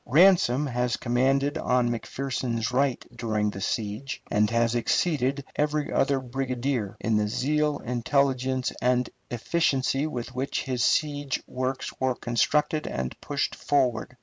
Ransom has commanded on McPherson's right during the siege, and has exceeded every other brigadier in the zeal, intelligence, and efficiency with which his siege works were constructed and pushed forward.